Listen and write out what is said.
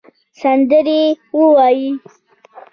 سندرې ووایې